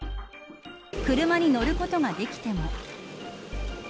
車に乗ることができても。